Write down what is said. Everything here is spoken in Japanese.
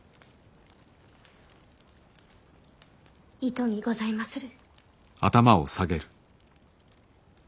糸にございまする。